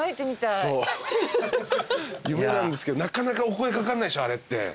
夢なんですけどなかなかお声掛かんないでしょあれって。